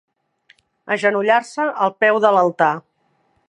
Agenollar-se al peu de l'altar.